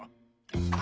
あ。